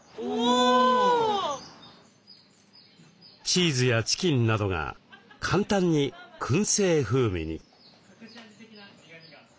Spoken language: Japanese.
チーズやチキンなどが簡単にくん製風味に。